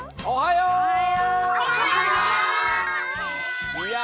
おはよう！